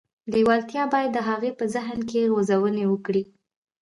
لېوالتیا باید د هغه په ذهن کې غځونې وکړي